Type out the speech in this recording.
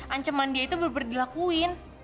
ancaman dia itu bener bener dilakuin